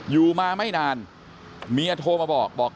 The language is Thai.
อยู่มาไม่นานเมียโทรมาบอกบอก